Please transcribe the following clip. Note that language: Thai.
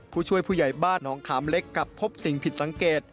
ผู้ช่วยผู้ใหญ่บ้านหนองขามเล็กกลับพบสิ่งผิดสังเกต